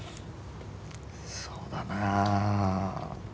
そうだなあ。